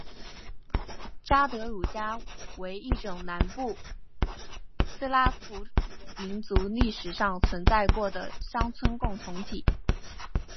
札德鲁加为一种南部斯拉夫民族历史上存在过的乡村共同体。